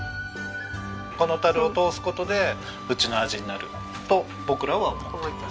この樽を通す事でうちの味になると僕らは思っています。